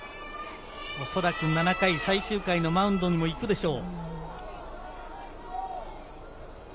おそらく７回、最終回のマウンドにも行くでしょう。